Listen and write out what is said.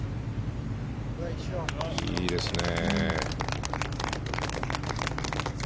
いいですね。